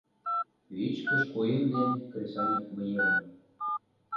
Вичкыж куэм ден кресаньык вынерым?